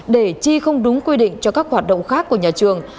để chi không đúng quy định cho các hoạt động khác của nhà trường